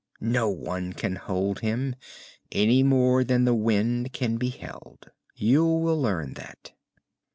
"No one can hold him, any more than the wind can be held. You will learn that."